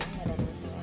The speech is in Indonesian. gak ada masalah